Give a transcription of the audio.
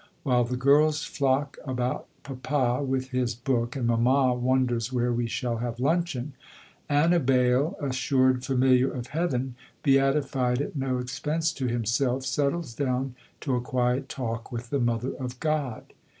While the girls flock about papa with his book, and mamma wonders where we shall have luncheon, Annibale, assured familiar of Heaven, beatified at no expense to himself, settles down to a quiet talk with the Mother of God.